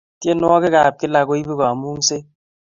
tienwokik ap kila koibu kamungset